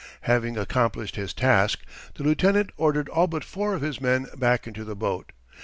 Having accomplished his task, the lieutenant ordered all but four of his men back into the boat.